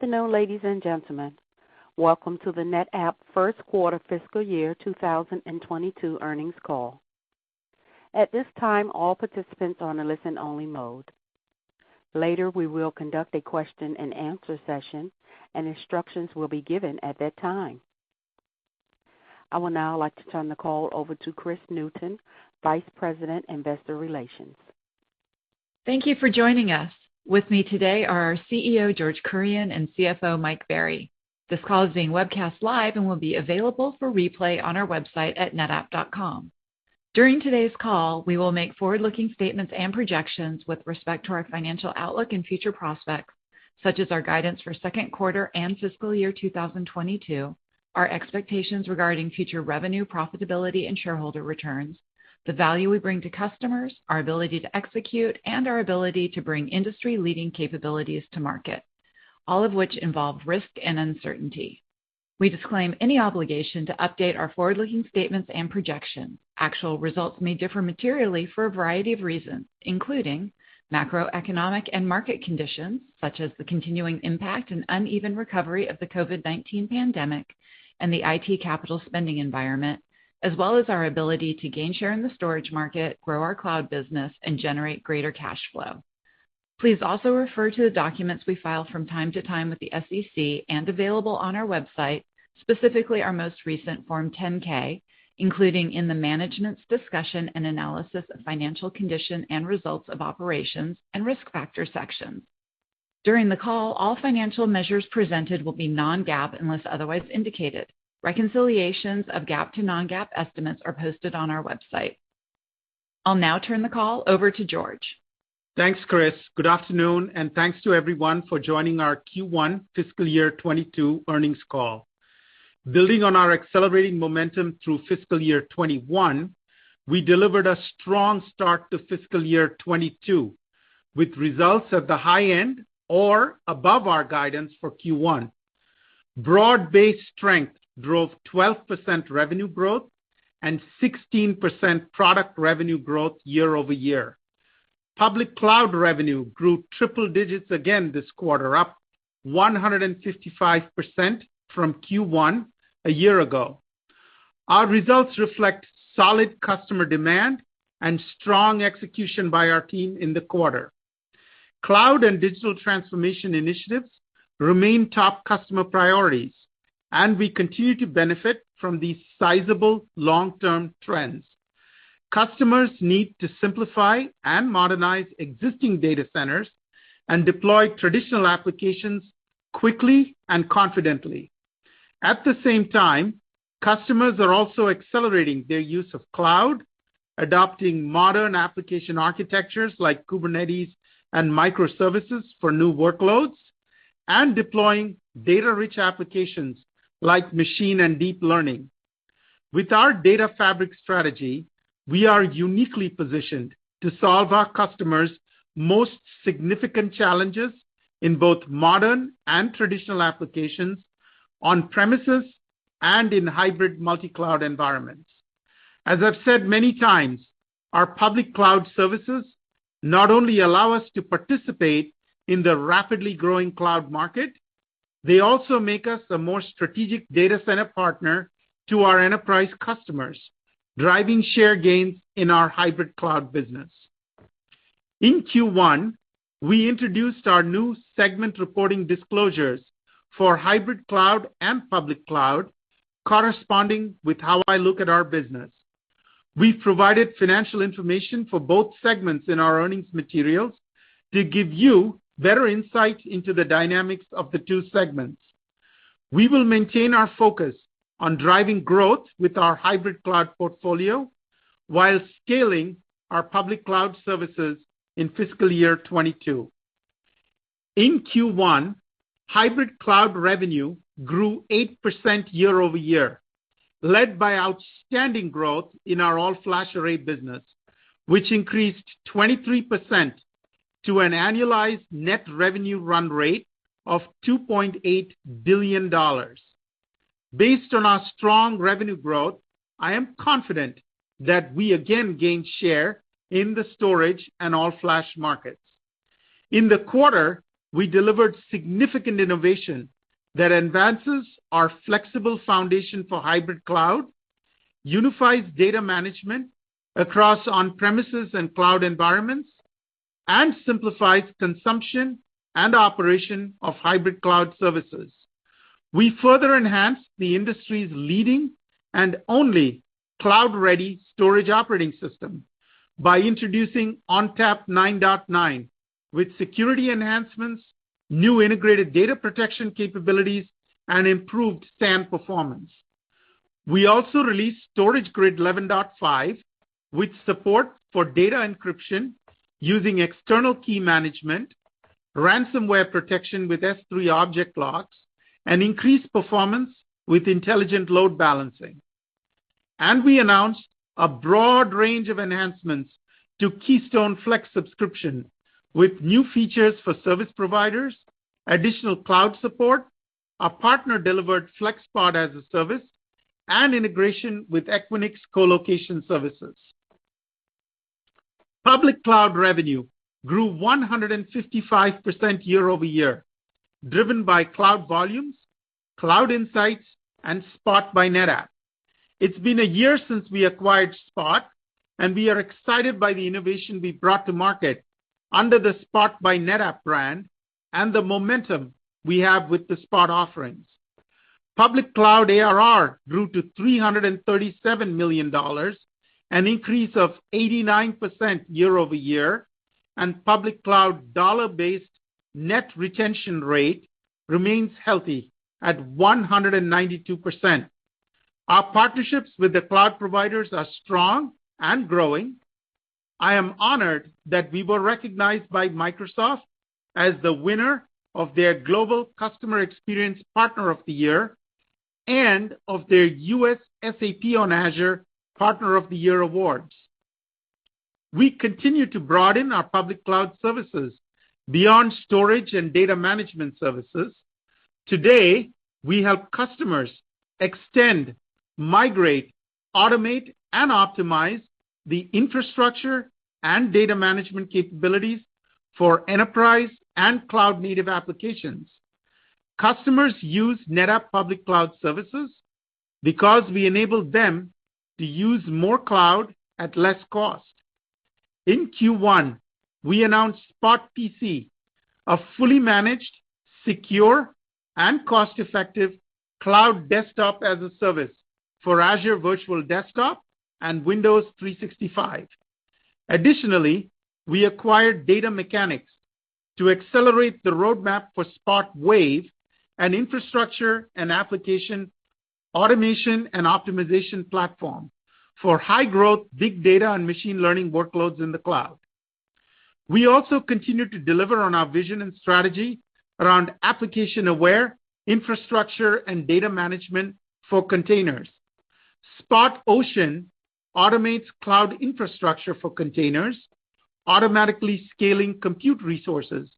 Good afternoon, ladies and gentlemen. Welcome to the NetApp first quarter fiscal year 2022 earnings call. At this time, all participants are on a listen-only mode. Later, we will conduct a question and answer session, and instructions will be given at that time. I would now like to turn the call over to Kris Newton, Vice President, Investor Relations. Thank you for joining us. With me today are our CEO, George Kurian, and CFO, Mike Berry. This call is being webcast live and will be available for replay on our website at netapp.com. During today's call, we will make forward-looking statements and projections with respect to our financial outlook and future prospects, such as our guidance for second quarter and fiscal year 2022, our expectations regarding future revenue, profitability, and shareholder returns, the value we bring to customers, our ability to execute, and our ability to bring industry-leading capabilities to market, all of which involve risk and uncertainty. We disclaim any obligation to update our forward-looking statements and projections. Actual results may differ materially for a variety of reasons, including macroeconomic and market conditions such as the continuing impact and uneven recovery of the COVID-19 pandemic and the IT capital spending environment, as well as our ability to gain share in the storage market, grow our cloud business, and generate greater cash flow. Please also refer to the documents we file from time to time with the SEC and available on our website, specifically our most recent Form 10-K, including in the Management's Discussion and Analysis of Financial Condition and Results of Operations and Risk Factors sections. During the call, all financial measures presented will be non-GAAP unless otherwise indicated. Reconciliations of GAAP to non-GAAP estimates are posted on our website. I'll now turn the call over to George. Thanks, Kris. Good afternoon, and thanks to everyone for joining our Q1 FY 2022 earnings call. Building on our accelerating momentum through FY 2021, we delivered a strong start to FY 2022, with results at the high end or above our guidance for Q1. Broad-based strength drove 12% revenue growth and 16% product revenue growth year-over-year. Public cloud revenue grew triple digits again this quarter, up 155% from Q1 a year ago. Our results reflect solid customer demand and strong execution by our team in the quarter. Cloud and digital transformation initiatives remain top customer priorities, and we continue to benefit from these sizable long-term trends. Customers need to simplify and modernize existing data centers and deploy traditional applications quickly and confidently. At the same time, customers are also accelerating their use of cloud, adopting modern application architectures like Kubernetes and microservices for new workloads, and deploying data-rich applications like machine and deep learning. With our Data Fabric strategy, we are uniquely positioned to solve our customers' most significant challenges in both modern and traditional applications, on premises, and in hybrid multi-cloud environments. As I've said many times, our Public Cloud services not only allow us to participate in the rapidly growing cloud market, they also make us a more strategic data center partner to our enterprise customers, driving share gains in our Hybrid Cloud business. In Q1, we introduced our new segment reporting disclosures for Hybrid Cloud and Public Cloud, corresponding with how I look at our business. We've provided financial information for both segments in our earnings materials to give you better insight into the dynamics of the two segments. We will maintain our focus on driving growth with our hybrid cloud portfolio while scaling our public cloud services in fiscal year 2022. In Q1, hybrid cloud revenue grew 8% year-over-year, led by outstanding growth in our all-flash array business, which increased 23% to an annualized net revenue run rate of $2.8 billion. Based on our strong revenue growth, I am confident that we again gained share in the storage and all-flash markets. In the quarter, we delivered significant innovation that advances our flexible foundation for hybrid cloud, unifies data management across on-premises and cloud environments, and simplifies consumption and operation of hybrid cloud services. We further enhanced the industry's leading and only cloud-ready storage operating system by introducing ONTAP 9.9 with security enhancements, new integrated data protection capabilities, and improved SAN performance. We also released StorageGRID 11.5 with support for data encryption using external key management, ransomware protection with S3 object locks, increased performance with intelligent load balancing. We announced a broad range of enhancements to Keystone Flex Subscription with new features for service providers, additional cloud support, a partner-delivered FlexPod as a service, integration with Equinix colocation services. Public cloud revenue grew 155% year-over-year, driven by Cloud Volumes, Cloud Insights, and Spot by NetApp. It's been a year since we acquired Spot, and we are excited by the innovation we've brought to market under the Spot by NetApp brand and the momentum we have with the Spot offerings. Public cloud ARR grew to $337 million, an increase of 89% year-over-year, and public cloud dollar-based net retention rate remains healthy at 192%. Our partnerships with the cloud providers are strong and growing. I am honored that we were recognized by Microsoft as the winner of their Global Customer Experience Partner of the Year and of their U.S. SAP on Azure Partner of the Year awards. We continue to broaden our public cloud services beyond storage and data management services. Today, we help customers extend, migrate, automate, and optimize the infrastructure and data management capabilities for enterprise and cloud-native applications. Customers use NetApp public cloud services because we enable them to use more cloud at less cost. In Q1, we announced Spot PC, a fully managed, secure, and cost-effective cloud desktop as a service for Azure Virtual Desktop and Windows 365. Additionally, we acquired Data Mechanics to accelerate the roadmap for Spot Wave and infrastructure and application automation and optimization platform for high-growth, big data, and machine learning workloads in the cloud. We also continue to deliver on our vision and strategy around application-aware infrastructure and data management for containers. Spot Ocean automates cloud infrastructure for containers, automatically scaling compute resources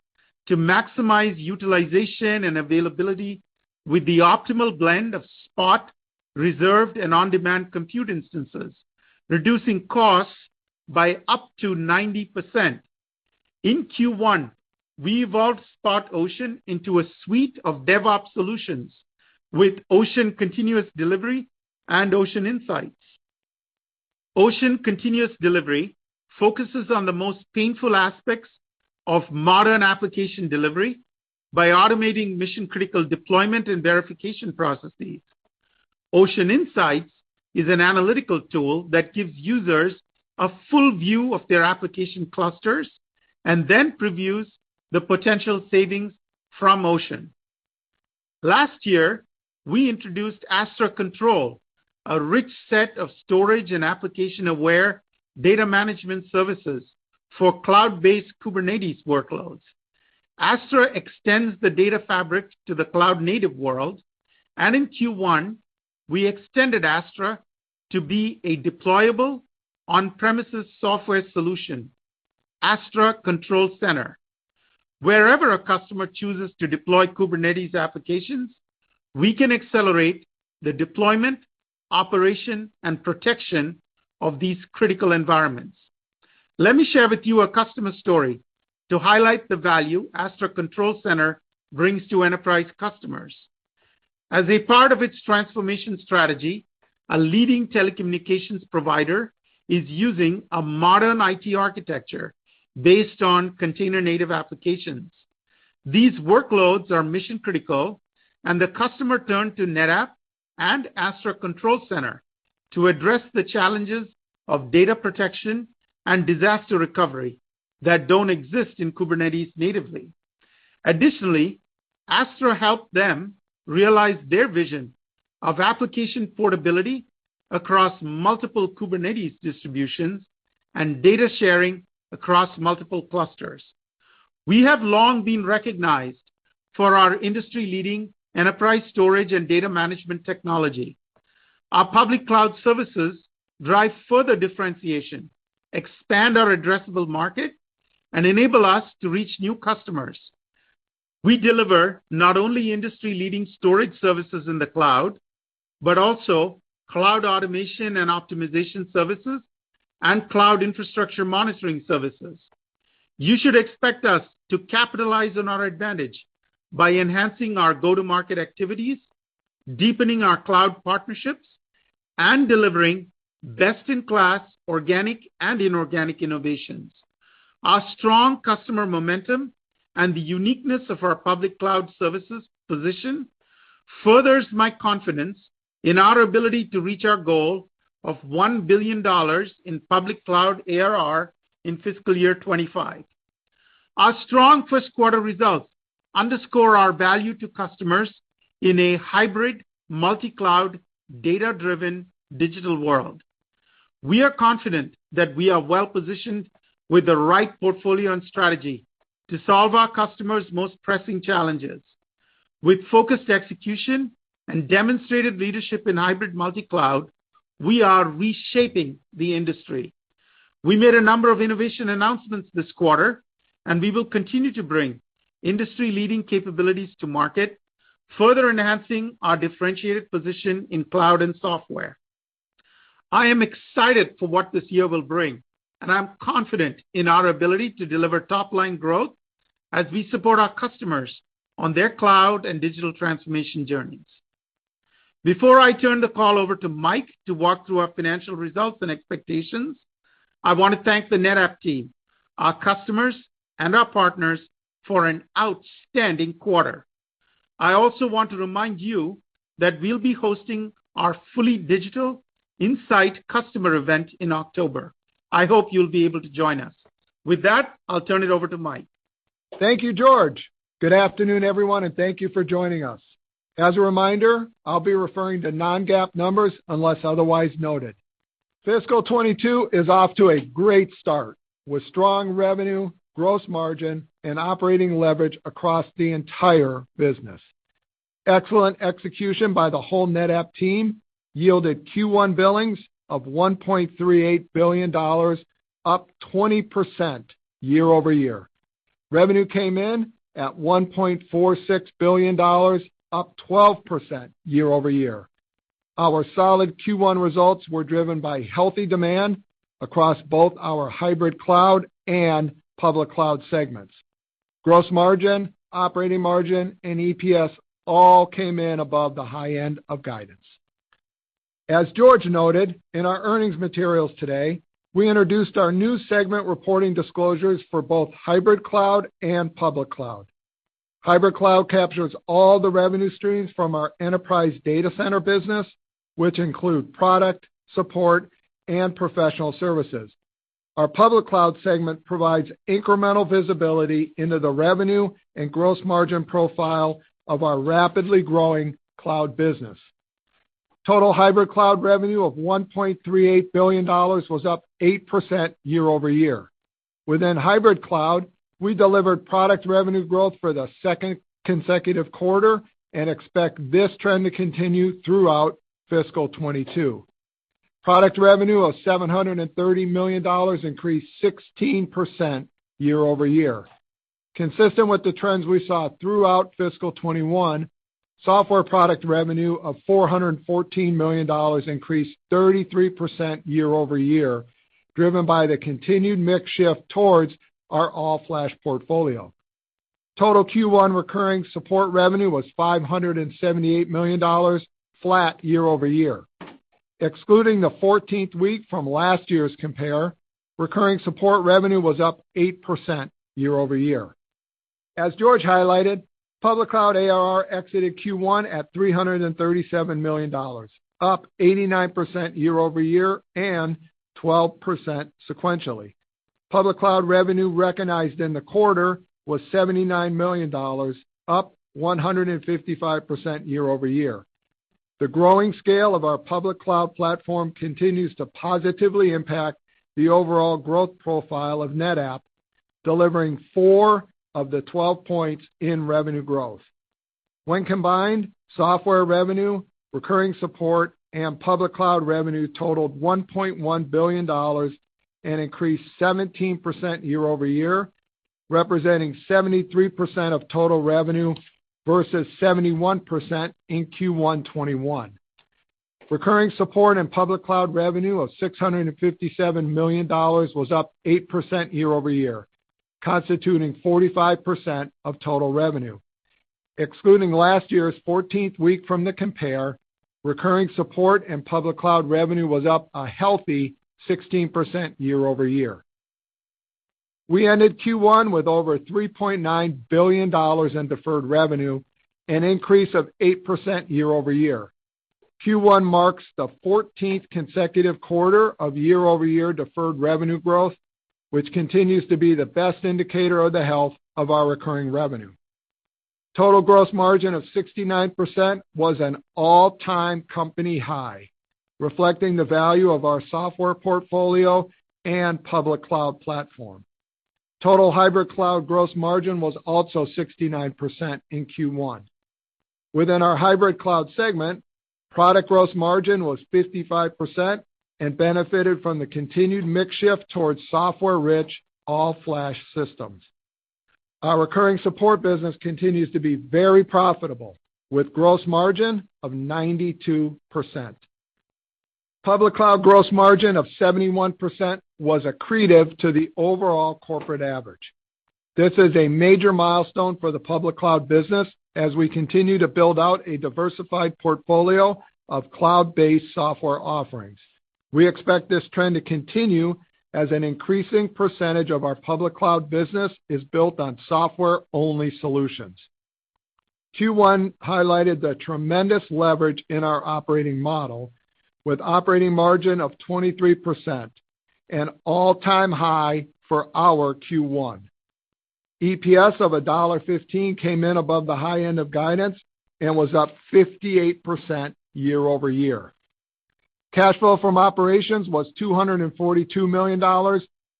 to maximize utilization and availability with the optimal blend of Spot reserved and on-demand compute instances, reducing costs by up to 90%. In Q1, we evolved Spot Ocean into a suite of DevOps solutions with Ocean Continuous Delivery and Ocean Insights. Ocean Continuous Delivery focuses on the most painful aspects of modern application delivery by automating mission-critical deployment and verification processes. Ocean Insights is an analytical tool that gives users a full view of their application clusters and then previews the potential savings from Ocean. Last year, we introduced Astra Control, a rich set of storage and application-aware data management services for cloud-based Kubernetes workloads. Astra extends the Data Fabric to the cloud-native world. In Q1, we extended Astra to be a deployable on-premises software solution, Astra Control Center. Wherever a customer chooses to deploy Kubernetes applications, we can accelerate the deployment, operation, and protection of these critical environments. Let me share with you a customer story to highlight the value Astra Control Center brings to enterprise customers. As a part of its transformation strategy, a leading telecommunications provider is using a modern IT architecture based on container-native applications. These workloads are mission-critical. The customer turned to NetApp and Astra Control Center to address the challenges of data protection and disaster recovery that don't exist in Kubernetes natively. Additionally, Astra helped them realize their vision of application portability across multiple Kubernetes distributions and data sharing across multiple clusters. We have long been recognized for our industry-leading enterprise storage and data management technology. Our public cloud services drive further differentiation, expand our addressable market, and enable us to reach new customers. We deliver not only industry-leading storage services in the cloud, but also cloud automation and optimization services and cloud infrastructure monitoring services. You should expect us to capitalize on our advantage by enhancing our go-to-market activities, deepening our cloud partnerships, and delivering best-in-class organic and inorganic innovations. Our strong customer momentum and the uniqueness of our public cloud services position furthers my confidence in our ability to reach our goal of $1 billion in public cloud ARR in fiscal year 2025. Our strong first quarter results underscore our value to customers in a hybrid, multicloud, data-driven digital world. We are confident that we are well-positioned with the right portfolio and strategy to solve our customers' most pressing challenges. With focused execution and demonstrated leadership in hybrid multicloud, we are reshaping the industry. We made a number of innovation announcements this quarter. We will continue to bring industry-leading capabilities to market, further enhancing our differentiated position in cloud and software. I am excited for what this year will bring, and I'm confident in our ability to deliver top-line growth as we support our customers on their cloud and digital transformation journeys. Before I turn the call over to Mike to walk through our financial results and expectations, I want to thank the NetApp team, our customers, and our partners for an outstanding quarter. I also want to remind you that we'll be hosting our fully digital Insight customer event in October. I hope you'll be able to join us. With that, I'll turn it over to Mike. Thank you, George. Good afternoon, everyone, and thank you for joining us. As a reminder, I'll be referring to non-GAAP numbers unless otherwise noted. Fiscal 2022 is off to a great start, with strong revenue, gross margin, and operating leverage across the entire business. Excellent execution by the whole NetApp team yielded Q1 billings of $1.38 billion, up 20% year-over-year. Revenue came in at $1.46 billion, up 12% year-over-year. Our solid Q1 results were driven by healthy demand across both our Hybrid Cloud and Public Cloud segments. Gross margin, operating margin, and EPS all came in above the high end of guidance. As George noted, in our earnings materials today, we introduced our new segment reporting disclosures for both Hybrid Cloud and Public Cloud. Hybrid Cloud captures all the revenue streams from our enterprise data center business, which include product, support, and professional services. Our public cloud segment provides incremental visibility into the revenue and gross margin profile of our rapidly growing cloud business. Total hybrid cloud revenue of $1.38 billion was up 8% year-over-year. Within hybrid cloud, we delivered product revenue growth for the second consecutive quarter and expect this trend to continue throughout fiscal 2022. Product revenue of $730 million increased 16% year-over-year. Consistent with the trends we saw throughout fiscal 2021, software product revenue of $414 million increased 33% year-over-year, driven by the continued mix shift towards our all-flash portfolio. Total Q1 recurring support revenue was $578 million, flat year-over-year. Excluding the 14th week from last year's compare, recurring support revenue was up 8% year-over-year. As George highlighted, public cloud ARR exited Q1 at $337 million, up 89% year-over-year and 12% sequentially. Public cloud revenue recognized in the quarter was $79 million, up 155% year-over-year. The growing scale of our public cloud platform continues to positively impact the overall growth profile of NetApp, delivering 4 of the 12 points in revenue growth. When combined, software revenue, recurring support, and public cloud revenue totaled $1.1 billion and increased 17% year-over-year, representing 73% of total revenue versus 71% in Q1 2021. Recurring support and public cloud revenue of $657 million was up 8% year-over-year, constituting 45% of total revenue. Excluding last year's 14th week from the compare, recurring support and public cloud revenue was up a healthy 16% year-over-year. We ended Q1 with over $3.9 billion in deferred revenue, an increase of 8% year-over-year. Q1 marks the 14th consecutive quarter of year-over-year deferred revenue growth, which continues to be the best indicator of the health of our recurring revenue. Total gross margin of 69% was an all-time company high, reflecting the value of our software portfolio and Public Cloud platform. Total Hybrid Cloud gross margin was also 69% in Q1. Within our Hybrid Cloud segment, product gross margin was 55% and benefited from the continued mix shift towards software-rich all-flash systems. Our recurring support business continues to be very profitable, with gross margin of 92%. Public Cloud gross margin of 71% was accretive to the overall corporate average. This is a major milestone for the Public Cloud business as we continue to build out a diversified portfolio of cloud-based software offerings. We expect this trend to continue as an increasing percentage of our Public Cloud business is built on software-only solutions. Q1 highlighted the tremendous leverage in our operating model with operating margin of 23%, an all-time high for our Q1. EPS of $1.15 came in above the high end of guidance and was up 58% year-over-year. Cash flow from operations was $242 million,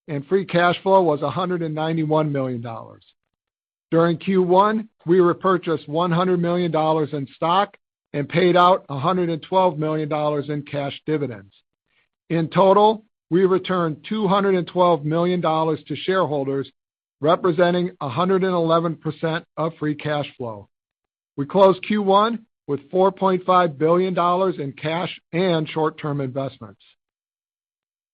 and free cash flow was $191 million. During Q1, we repurchased $100 million in stock and paid out $112 million in cash dividends. In total, we returned $212 million to shareholders, representing 111% of free cash flow. We closed Q1 with $4.5 billion in cash and short-term investments.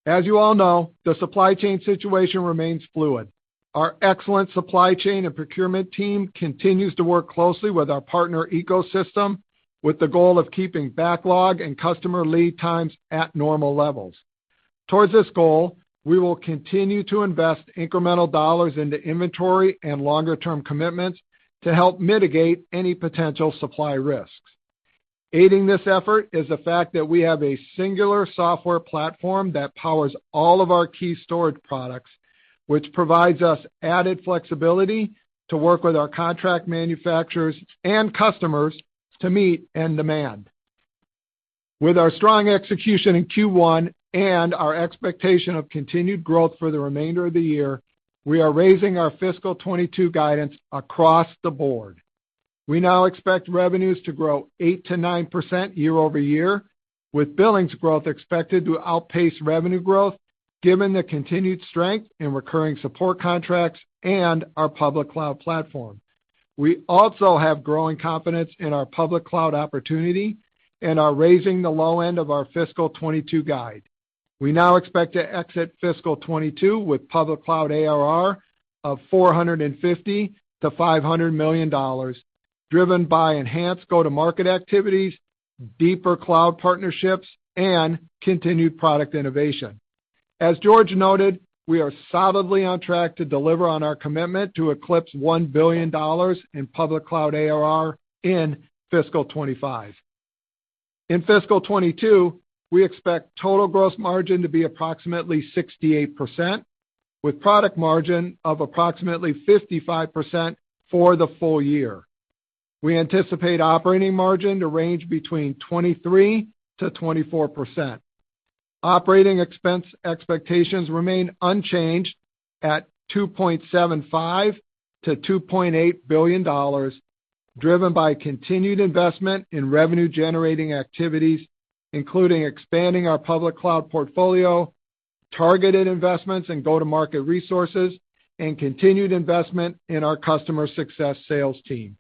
As you all know, the supply chain situation remains fluid. Our excellent supply chain and procurement team continues to work closely with our partner ecosystem with the goal of keeping backlog and customer lead times at normal levels. Towards this goal, we will continue to invest incremental dollars into inventory and longer-term commitments to help mitigate any potential supply risks. Aiding this effort is the fact that we have a singular software platform that powers all of our key storage products, which provides us added flexibility to work with our contract manufacturers and customers to meet end demand. With our strong execution in Q1 and our expectation of continued growth for the remainder of the year, we are raising our fiscal 2022 guidance across the board. We now expect revenues to grow 8%-9% year-over-year, with billings growth expected to outpace revenue growth given the continued strength in recurring support contracts and our public cloud platform. We also have growing confidence in our public cloud opportunity and are raising the low end of our fiscal 2022 guide. We now expect to exit fiscal 2022 with public cloud ARR of $450 million-$500 million, driven by enhanced go-to-market activities, deeper cloud partnerships, and continued product innovation. As George noted, we are solidly on track to deliver on our commitment to eclipse $1 billion in public cloud ARR in fiscal 2025. In fiscal 2022, we expect total gross margin to be approximately 68%, with product margin of approximately 55% for the full year. We anticipate operating margin to range between 23%-24%. Operating expense expectations remain unchanged at $2.75 billion-$2.8 billion, driven by continued investment in revenue-generating activities, including expanding our public cloud portfolio, targeted investments in go-to-market resources, and continued investment in our customer success sales team.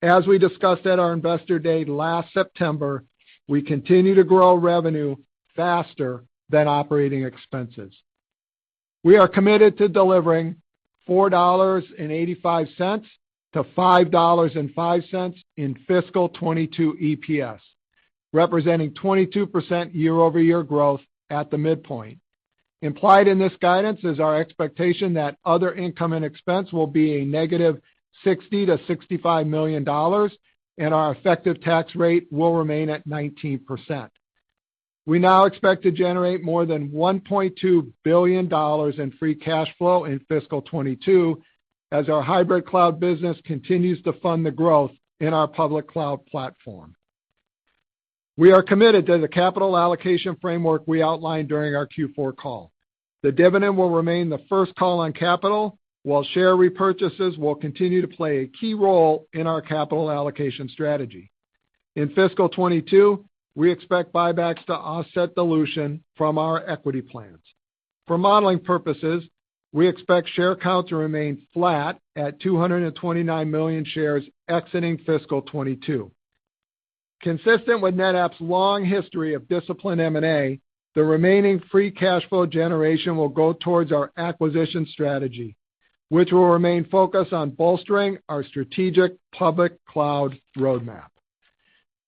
As we discussed at our investor day last September, we continue to grow revenue faster than operating expenses. We are committed to delivering $4.85-$5.05 in fiscal '22 EPS, representing 22% year-over-year growth at the midpoint. Implied in this guidance is our expectation that other income and expense will be a negative $60 million-$65 million, and our effective tax rate will remain at 19%. We now expect to generate more than $1.2 billion in free cash flow in fiscal 2022 as our hybrid cloud business continues to fund the growth in our public cloud platform. We are committed to the capital allocation framework we outlined during our Q4 call. The dividend will remain the first call on capital, while share repurchases will continue to play a key role in our capital allocation strategy. In fiscal '22, we expect buybacks to offset dilution from our equity plans. For modeling purposes, we expect share count to remain flat at 229 million shares exiting fiscal 2022. Consistent with NetApp's long history of disciplined M&A, the remaining free cash flow generation will go towards our acquisition strategy, which will remain focused on bolstering our strategic public cloud roadmap.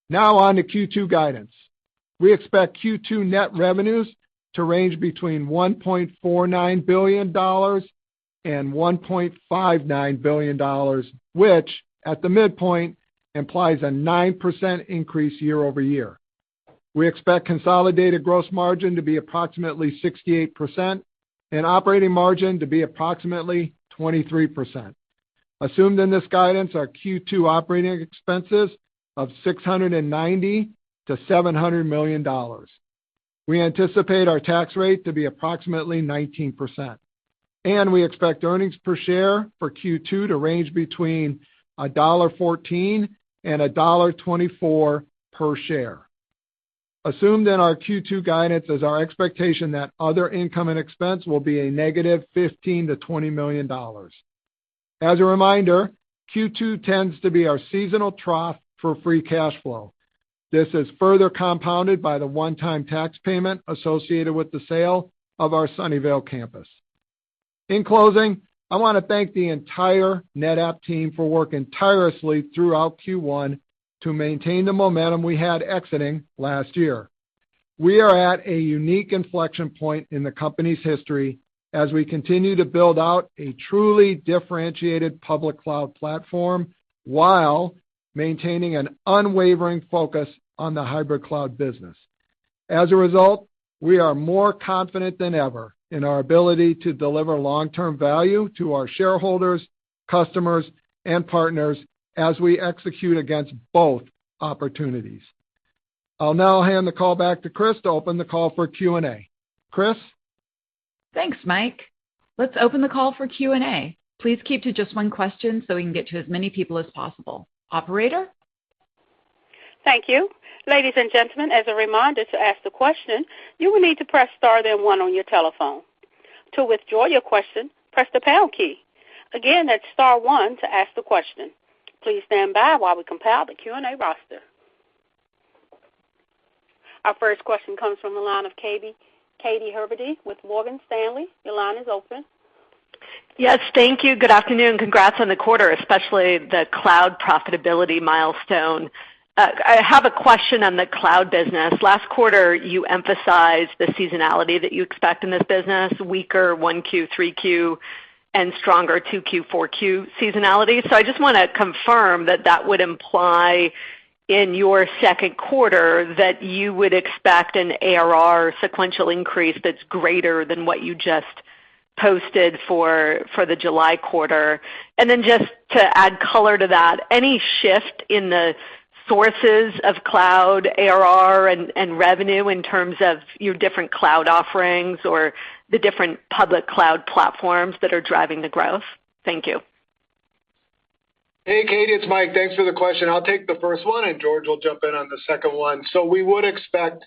Now on to Q2 guidance. We expect Q2 net revenues to range between $1.49 billion and $1.59 billion, which, at the midpoint, implies a 9% increase year-over-year. We expect consolidated gross margin to be approximately 68% and operating margin to be approximately 23%. Assumed in this guidance are Q2 operating expenses of $690 million - $700 million. We anticipate our tax rate to be approximately 19%, and we expect earnings per share for Q2 to range between $1.14 and $1.24 per share. Assumed in our Q2 guidance is our expectation that other income and expense will be a negative $15 to $20 million. As a reminder, Q2 tends to be our seasonal trough for free cash flow. This is further compounded by the one-time tax payment associated with the sale of our Sunnyvale campus. In closing, I want to thank the entire NetApp team for working tirelessly throughout Q1 to maintain the momentum we had exiting last year. We are at a unique inflection point in the company's history as we continue to build out a truly differentiated public cloud platform while maintaining an unwavering focus on the hybrid cloud business. As a result, we are more confident than ever in our ability to deliver long-term value to our shareholders, customers, and partners as we execute against both opportunities. I'll now hand the call back to Kris to open the call for Q&A. Kris? Thanks, Mike. Let's open the call for Q&A. Please keep to just one question so we can get to as many people as possible. Operator? Thank you. Our first question comes from the line of Katy Huberty with Morgan Stanley. Your line is open. Yes, thank you. Good afternoon. Congrats on the quarter, especially the cloud profitability milestone. I have a question on the cloud business. Last quarter, you emphasized the seasonality that you expect in this business, weaker 1Q, 3Q, and stronger 2Q, 4Q seasonality. I just want to confirm that that would imply in your second quarter that you would expect an ARR sequential increase that's greater than what you just posted for the July quarter. Just to add color to that, any shift in the sources of cloud ARR and revenue in terms of your different cloud offerings or the different public cloud platforms that are driving the growth? Thank you. Hey, Katy, it's Mike. Thanks for the question. I'll take the first one, and George will jump in on the second one. We would expect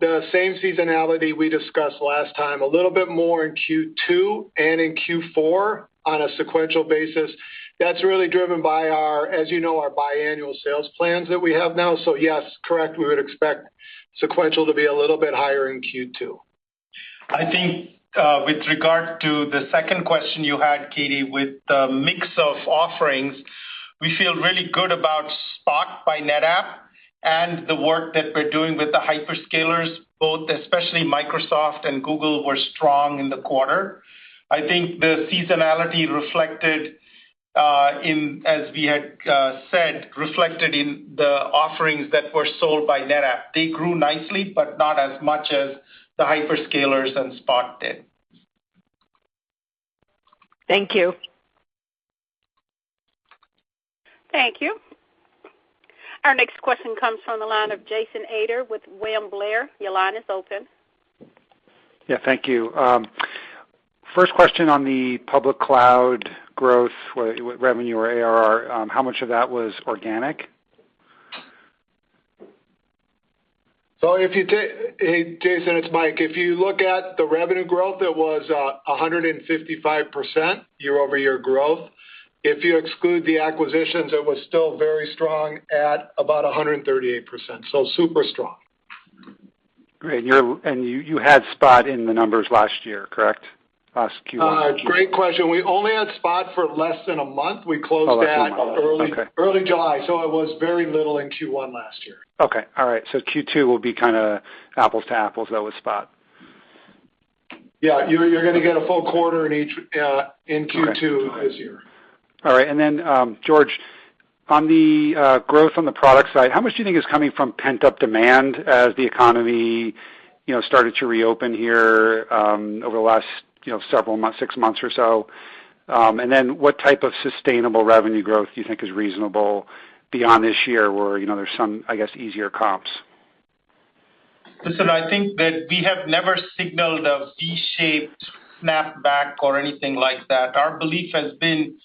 the same seasonality we discussed last time, a little bit more in Q2 and in Q4 on a sequential basis. That's really driven by our biannual sales plans that we have now. Yes, correct, we would expect sequential to be a little bit higher in Q2. I think with regard to the second question you had, Katy, with the mix of offerings, we feel really good about Spot by NetApp and the work that we're doing with the hyperscalers, both especially Microsoft and Google were strong in the quarter. I think the seasonality reflected, as we had said, reflected in the offerings that were sold by NetApp. They grew nicely, but not as much as the hyperscalers and Spot did. Thank you. Thank you. Our next question comes from the line of Jason Ader with William Blair. Your line is open. Yeah, thank you. First question on the public cloud growth revenue or ARR, how much of that was organic? Hey, Jason, it's Mike. If you look at the revenue growth, it was 155% year-over-year growth. If you exclude the acquisitions, it was still very strong at about 138%, so super strong. Great. You had Spot in the numbers last year, correct? Last Q1? Great question. We only had Spot for less than a month. Oh, less than a month. Okay. We closed that early July. It was very little in Q1 last year. Okay. All right. Q2 will be kind of apples to apples, though, with Spot. Yeah. You're going to get a full quarter in Q2 this year. All right. George, on the growth on the product side, how much do you think is coming from pent-up demand as the economy started to reopen here over the last several months, six months or so? What type of sustainable revenue growth do you think is reasonable beyond this year where there's some easier comps? Listen, I think that we have never signaled a V-shaped snapback or anything like that. Our belief has been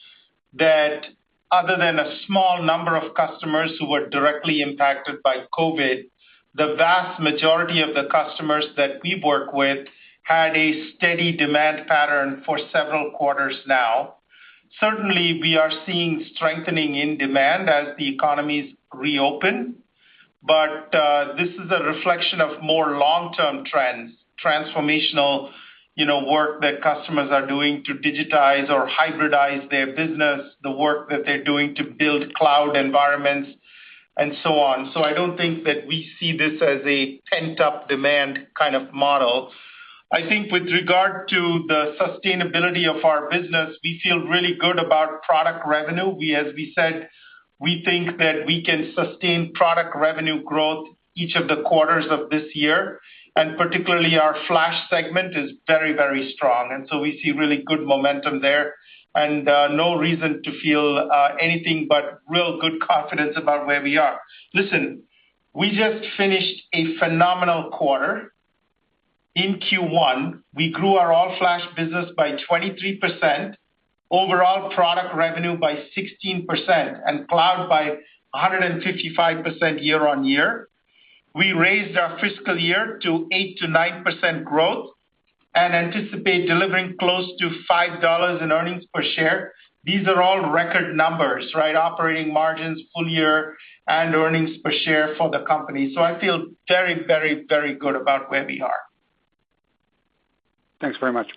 that other than a small number of customers who were directly impacted by COVID, the vast majority of the customers that we work with had a steady demand pattern for several quarters now. Certainly, we are seeing strengthening in demand as the economies reopen. This is a reflection of more long-term trends, transformational work that customers are doing to digitize or hybridize their business, the work that they're doing to build cloud environments, and so on. I don't think that we see this as a pent-up demand kind of model. I think with regard to the sustainability of our business, we feel really good about product revenue. As we said, we think that we can sustain product revenue growth each of the quarters of this year. Particularly our flash segment is very, very strong. We see really good momentum there and no reason to feel anything but real good confidence about where we are. Listen, we just finished a phenomenal quarter. In Q1, we grew our all-flash business by 23%, overall product revenue by 16%, and cloud by 155% year-over-year. We raised our fiscal year to 8%-9% growth and anticipate delivering close to $5 in earnings per share. These are all record numbers, operating margins full year and earnings per share for the company. I feel very, very, very good about where we are. Thanks very much.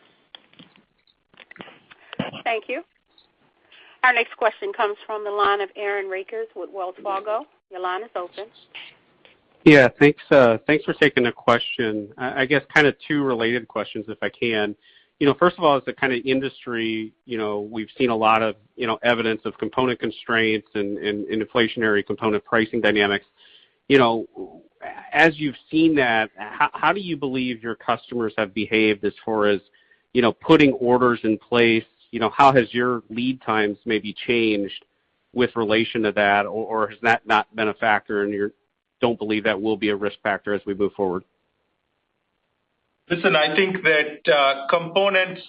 Thank you. Our next question comes from the line of Aaron Rakers with Wells Fargo. Your line is open. Yeah. Thanks for taking the question. I guess kind of two related questions, if I can. First of all, as a kind of industry, we've seen a lot of evidence of component constraints and inflationary component pricing dynamics. As you've seen that, how do you believe your customers have behaved as far as putting orders in place? How has your lead times maybe changed? With relation to that, or has that not been a factor and you don't believe that will be a risk factor as we move forward? Listen, I think that components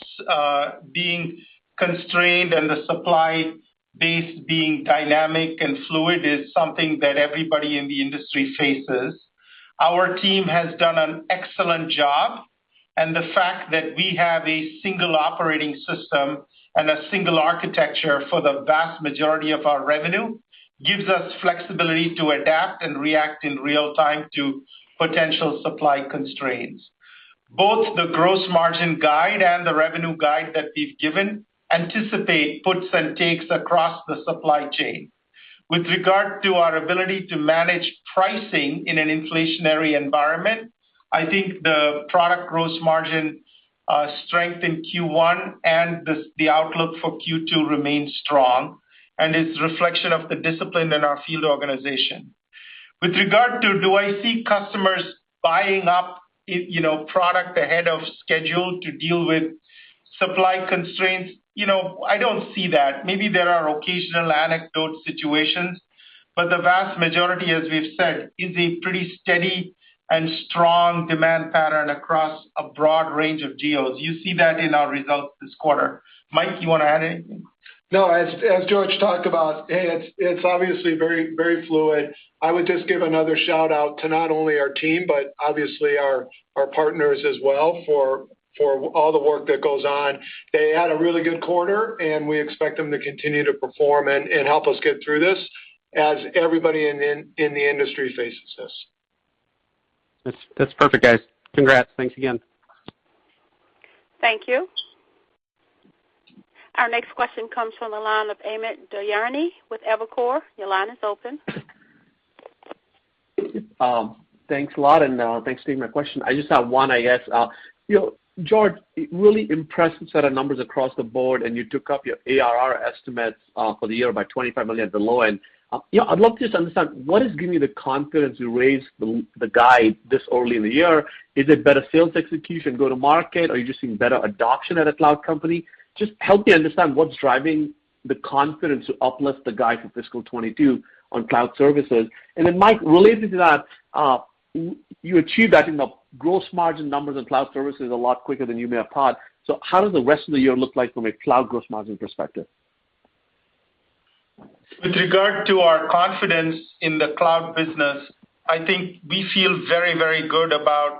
being constrained and the supply base being dynamic and fluid is something that everybody in the industry faces. Our team has done an excellent job, and the fact that we have a single operating system and a single architecture for the vast majority of our revenue gives us flexibility to adapt and react in real time to potential supply constraints. Both the gross margin guide and the revenue guide that we've given anticipate puts and takes across the supply chain. With regard to our ability to manage pricing in an inflationary environment, I think the product gross margin strength in Q1 and the outlook for Q2 remain strong and is a reflection of the discipline in our field organization. With regard to do I see customers buying up product ahead of schedule to deal with supply constraints, I don't see that. Maybe there are occasional anecdote situations, but the vast majority, as we've said, is a pretty steady and strong demand pattern across a broad range of deals. You see that in our results this quarter. Mike, you want to add anything? No, as George talked about, it's obviously very fluid. I would just give another shout-out to not only our team, but obviously our partners as well for all the work that goes on. They had a really good quarter, and we expect them to continue to perform and help us get through this as everybody in the industry faces this. That's perfect, guys. Congrats. Thanks again. Thank you. Our next question comes from the line of Amit Daryani with Evercore. Your line is open. Thanks a lot, and thanks for taking my question. I just have one, I guess. George, really impressive set of numbers across the board, and you took up your ARR estimates for the year by $25 million below. I'd love to just understand, what is giving you the confidence to raise the guide this early in the year? Is it better sales execution go-to-market, or are you just seeing better adoption at a cloud company? Just help me understand what's driving the confidence to uplift the guide for fiscal 2022 on cloud services. Then Mike, related to that, you achieved that in the gross margin numbers and cloud services a lot quicker than you may have thought. How does the rest of the year look like from a cloud gross margin perspective? With regard to our confidence in the cloud business, I think we feel very, very good about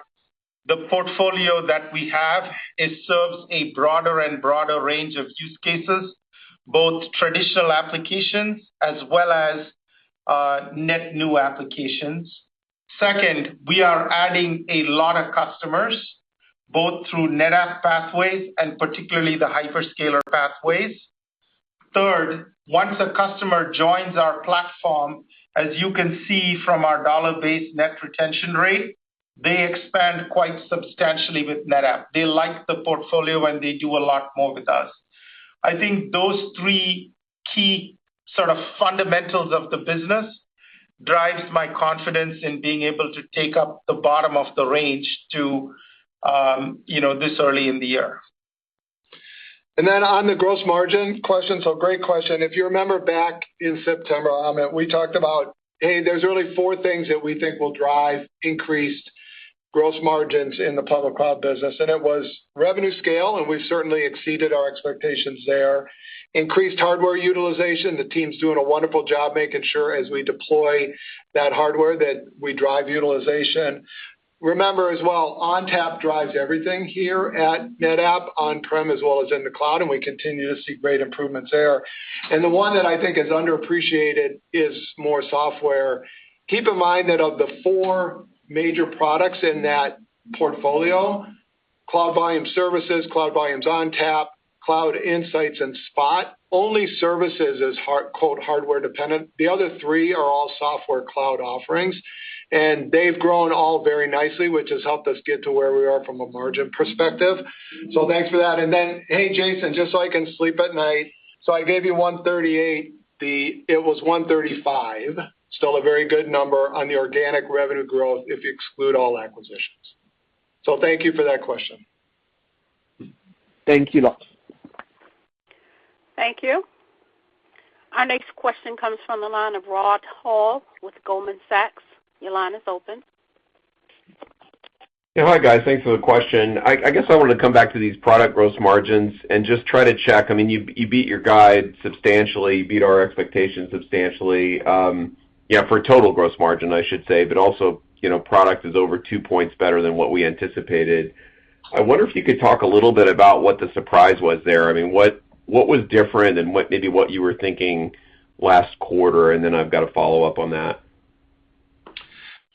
the portfolio that we have. It serves a broader and broader range of use cases, both traditional applications as well as net new applications. Second, we are adding a lot of customers, both through NetApp pathways and particularly the hyperscaler pathways. Third, once a customer joins our platform, as you can see from our dollar-based net retention rate, they expand quite substantially with NetApp. They like the portfolio, and they do a lot more with us. I think those three key sort of fundamentals of the business drives my confidence in being able to take up the bottom of the range this early in the year. On the gross margin question, great question. If you remember back in September, Amit, we talked about, hey, there's really four things that we think will drive increased gross margins in the public cloud business. It was revenue scale, we've certainly exceeded our expectations there. Increased hardware utilization. The team's doing a wonderful job making sure as we deploy that hardware, that we drive utilization. Remember as well, ONTAP drives everything here at NetApp, on-prem as well as in the cloud, we continue to see great improvements there. The one that I think is underappreciated is more software. Keep in mind that of the four major products in that portfolio, Cloud Volumes Service, Cloud Volumes ONTAP, Cloud Insights, and Spot, only Services is hardware dependent. The other three are all software cloud offerings, and they've grown all very nicely, which has helped us get to where we are from a margin perspective. Thanks for that. Then, hey, Jason, just so I can sleep at night. I gave you 138, it was 135. Still a very good number on the organic revenue growth if you exclude all acquisitions. Thank you for that question. Thank you lot. Thank you. Our next question comes from the line of Rod Hall with Goldman Sachs. Your line is open. Yeah, hi, guys. Thanks for the question. I guess I wanted to come back to these product gross margins and just try to check. You beat your guide substantially, beat our expectations substantially. Yeah, for total gross margin, I should say. Also, product is over two points better than what we anticipated. I wonder if you could talk a little bit about what the surprise was there. What was different and maybe what you were thinking last quarter, and then I've got a follow-up on that.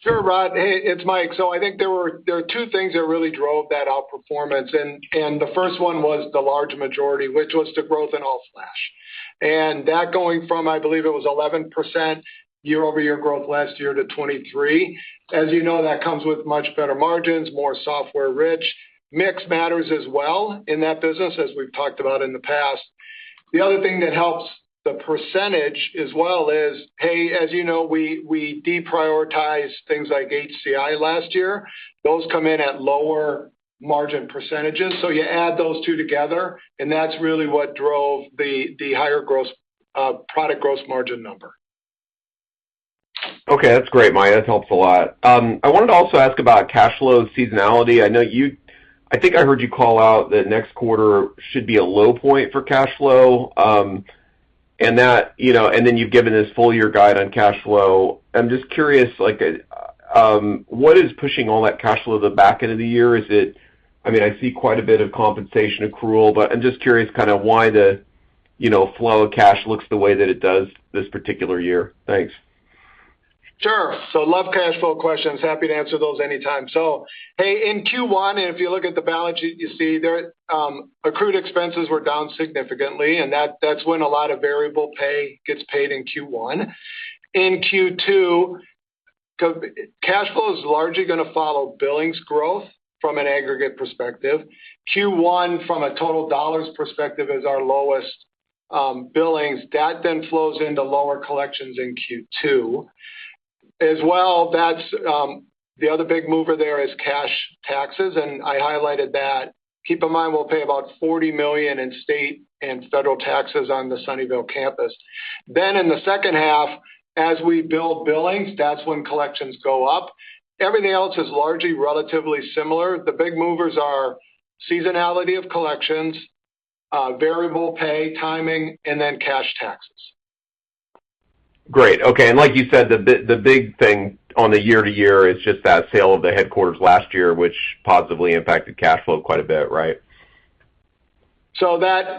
Sure, Rod. Hey, it's Mike. I think there are two things that really drove that outperformance, the first one was the large majority, which was the growth in All Flash. That going from, I believe it was 11% year-over-year growth last year to 23%. As you know, that comes with much better margins, more software rich. Mix matters as well in that business, as we've talked about in the past. The other thing that helps the percentage as well is, hey, as you know, we deprioritized things like HCI last year. Those come in at lower margin percentages. You add those two together, and that's really what drove the higher product gross margin number. Okay, that's great, Mike. That helps a lot. I wanted to also ask about cash flow seasonality. I think I heard you call out that next quarter should be a low point for cash flow. Then you've given this full year guide on cash flow. I'm just curious, what is pushing all that cash flow to the back end of the year? I see quite a bit of compensation accrual, but I'm just curious why the flow of cash looks the way that it does this particular year. Thanks. Sure. Love cash flow questions. Happy to answer those anytime. Hey, in Q1, if you look at the balance sheet, you see accrued expenses were down significantly, and that's when a lot of variable pay gets paid in Q1. In Q2, cash flow is largely going to follow billings growth from an aggregate perspective. Q1 from a total dollars perspective is our lowest billings. That then flows into lower collections in Q2. As well, the other big mover there is cash taxes, and I highlighted that. Keep in mind, we'll pay about $40 million in state and federal taxes on the Sunnyvale campus. In the second half, as we build billings, that's when collections go up. Everything else is largely relatively similar. The big movers are seasonality of collections, variable pay timing, and then cash taxes. Great. Okay. Like you said, the big thing on the year-over-year is just that sale of the headquarters last year, which positively impacted cash flow quite a bit, right? Yeah.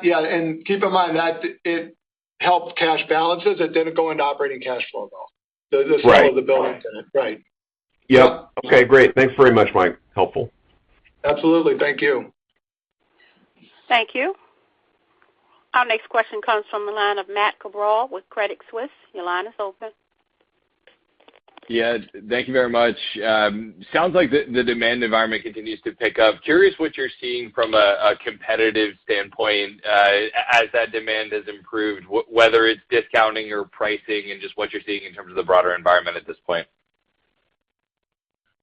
Keep in mind that it helped cash balances. It didn't go into operating cash flow, though. Right. The sale of the building didn't. Right. Yep. Okay, great. Thanks very much, Mike. Helpful. Absolutely. Thank you. Thank you. Our next question comes from the line of Matt Cabral with Credit Suisse. Your line is open. Yeah, thank you very much. Sounds like the demand environment continues to pick up. Curious what you're seeing from a competitive standpoint as that demand has improved, whether it's discounting or pricing and just what you're seeing in terms of the broader environment at this point.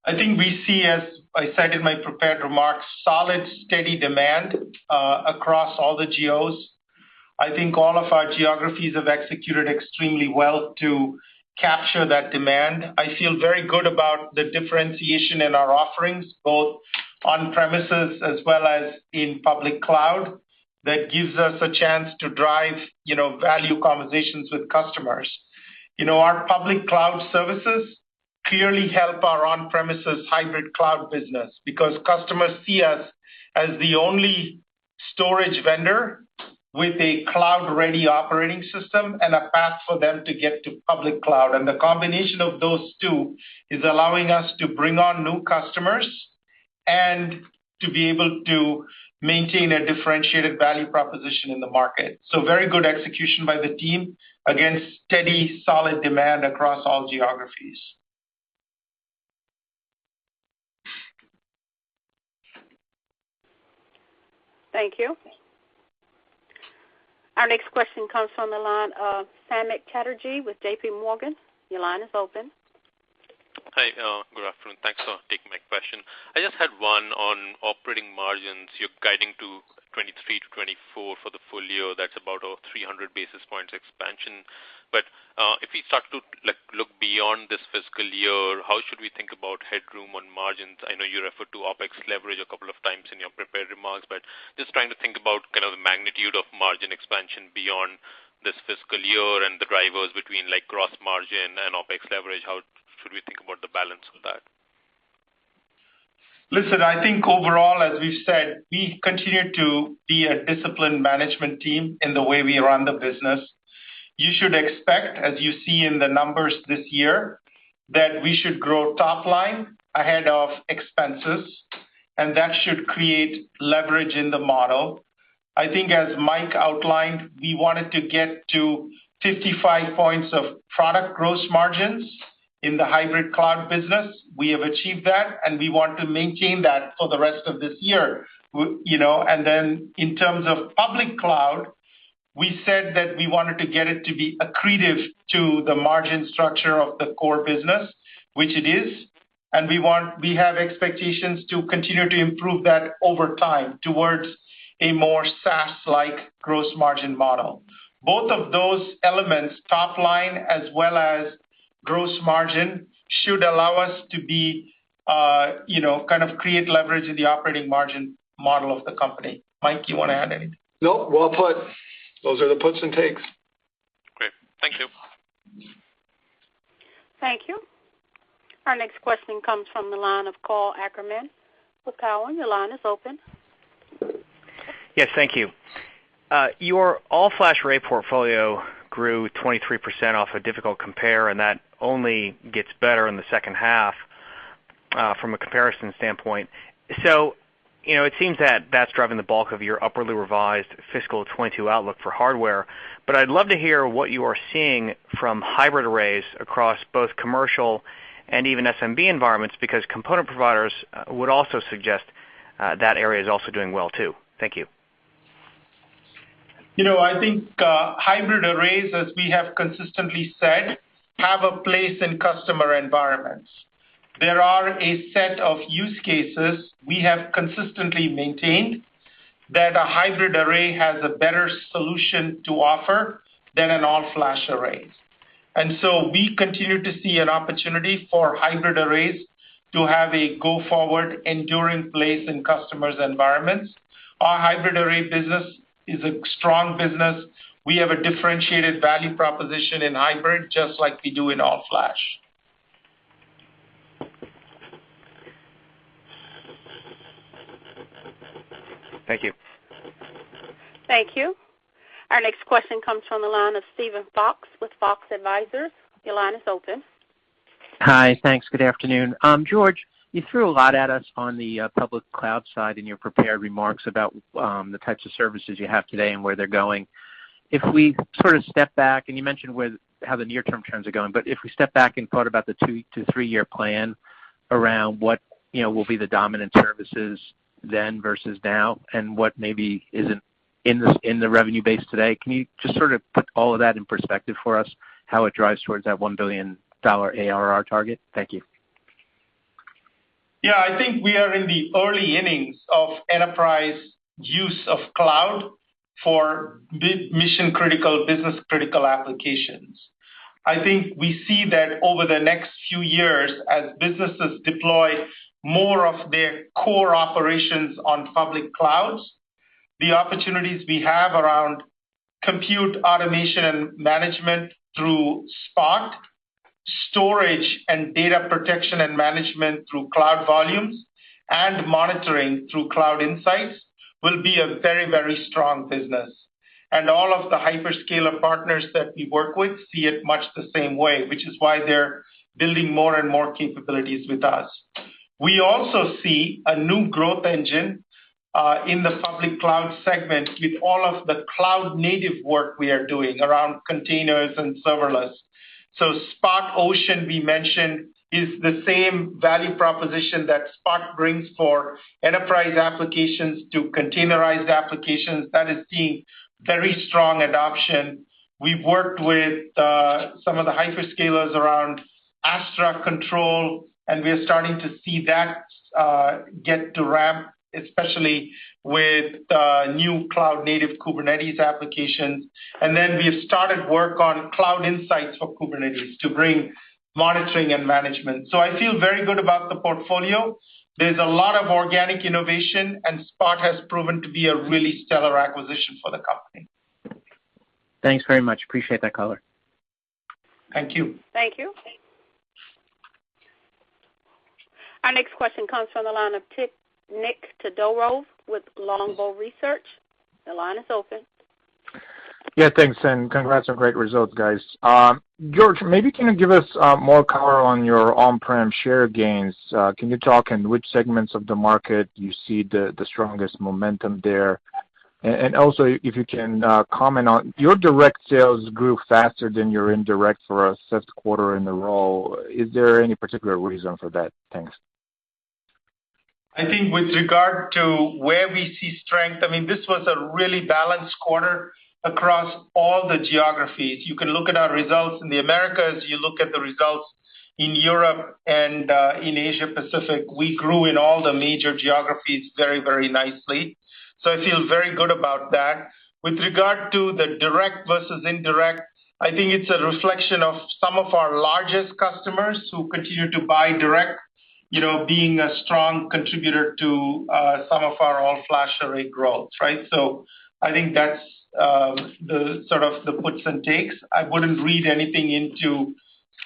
I think we see, as I said in my prepared remarks, solid, steady demand across all the geos. I think all of our geographies have executed extremely well to capture that demand. I feel very good about the differentiation in our offerings, both on-premises as well as in public cloud. That gives us a chance to drive value conversations with customers. Our public cloud services clearly help our on-premises hybrid cloud business because customers see us as the only storage vendor with a cloud-ready operating system and a path for them to get to public cloud. The combination of those two is allowing us to bring on new customers and to be able to maintain a differentiated value proposition in the market. Very good execution by the team against steady, solid demand across all geographies. Thank you. Our next question comes from the line of Samik Chatterjee with JPMorgan. Your line is open. Hi, good afternoon. Thanks for taking my question. I just had one on operating margins. You're guiding to 23%-24% for the full year. That's about a 300 basis points expansion. If we start to look beyond this fiscal year, how should we think about headroom on margins? I know you referred to OpEx leverage a couple of times in your prepared remarks, but just trying to think about kind of the magnitude of margin expansion beyond this fiscal year and the drivers between gross margin and OpEx leverage. How should we think about the balance of that? I think overall, as we've said, we continue to be a disciplined management team in the way we run the business. You should expect, as you see in the numbers this year, that we should grow top line ahead of expenses, and that should create leverage in the model. I think as Mike outlined, we wanted to get to 55 points of product gross margins in the hybrid cloud business. We have achieved that, and we want to maintain that for the rest of this year. In terms of public cloud, we said that we wanted to get it to be accretive to the margin structure of the core business, which it is, and we have expectations to continue to improve that over time towards a more SaaS-like gross margin model. Both of those elements, top line as well as gross margin, should allow us to create leverage in the operating margin model of the company. Mike, you want to add anything? No, well put. Those are the puts and takes. Great. Thank you. Thank you. Our next question comes from the line of Karl Ackerman with Cowen. Your line is open. Yes. Thank you. Your all-flash array portfolio grew 23% off a difficult compare. That only gets better in the second half from a comparison standpoint. It seems that that's driving the bulk of your upwardly revised fiscal 2022 outlook for hardware. I'd love to hear what you are seeing from hybrid arrays across both commercial and even SMB environments, because component providers would also suggest that area is also doing well, too. Thank you. I think hybrid arrays, as we have consistently said, have a place in customer environments. There are a set of use cases we have consistently maintained that a hybrid array has a better solution to offer than an all-flash array. We continue to see an opportunity for hybrid arrays to have a go-forward enduring place in customers' environments. Our hybrid array business is a strong business. We have a differentiated value proposition in hybrid, just like we do in all-flash. Thank you. Thank you. Our next question comes from the line of Steven Fox with Fox Advisors. Your line is open. Hi. Thanks. Good afternoon. George, you threw a lot at us on the public cloud side in your prepared remarks about the types of services you have today and where they're going. If we sort of step back, and you mentioned how the near-term trends are going, but if we step back and thought about the two to three-year plan around what will be the dominant services then versus now, and what maybe isn't in the revenue base today, can you just sort of put all of that in perspective for us, how it drives towards that $1 billion ARR target? Thank you. Yeah, I think we are in the early innings of enterprise use of cloud for big mission-critical, business-critical applications. I think we see that over the next few years as businesses deploy more of their core operations on public clouds, the opportunities we have around compute automation and management through Spot, storage and data protection and management through Cloud Volumes, and monitoring through Cloud Insights will be a very, very strong business. All of the hyperscaler partners that we work with see it much the same way, which is why they're building more and more capabilities with us. We also see a new growth engine in the public cloud segment with all of the cloud-native work we are doing around containers and serverless. Spot Ocean, we mentioned, is the same value proposition that Spot brings for enterprise applications to containerize applications. That is seeing very strong adoption. We've worked with some of the hyperscalers around Astra Control, and we are starting to see that get to ramp, especially with new cloud-native Kubernetes applications. We have started work on Cloud Insights for Kubernetes to bring monitoring and management. I feel very good about the portfolio. There's a lot of organic innovation, and Spot has proven to be a really stellar acquisition for the company. Thanks very much. Appreciate that color. Thank you. Thank you. Our next question comes from the line of Nik Todorov with Longbow Research. Your line is open. Yeah, thanks, congrats on great results, guys. George, maybe can you give us more color on your on-prem share gains? Can you talk in which segments of the market you see the strongest momentum there? Also, if you can comment on your direct sales grew faster than your indirect for a fifth quarter in a row. Is there any particular reason for that? Thanks. I think with regard to where we see strength, this was a really balanced quarter across all the geographies. You can look at our results in the Americas, you look at the results in Europe and in Asia Pacific. We grew in all the major geographies very, very nicely. I feel very good about that. With regard to the direct versus indirect, I think it's a reflection of some of our largest customers who continue to buy direct, being a strong contributor to some of our all-flash array growth, right? I think that's the sort of the puts and takes. I wouldn't read anything into